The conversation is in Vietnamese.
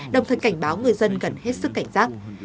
đồng thời cảnh báo người dân cần hết sức cảnh giác